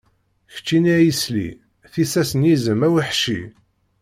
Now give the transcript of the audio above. Keččini ay isli, tissas n yizem aweḥci.